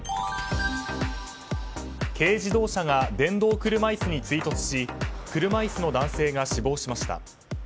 軽自動車が電動車椅子に追突し車椅子の男性が死亡しました。